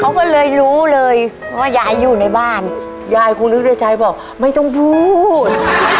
เขาก็เลยรู้เลยว่ายายอยู่ในบ้านยายคุณฤชัยบอกไม่ต้องพูด